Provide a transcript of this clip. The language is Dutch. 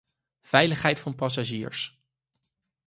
Veiligheid van passagiers.